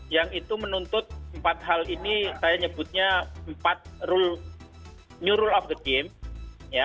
yang itu menuntut empat hal ini saya nyebutnya empat new rule of the game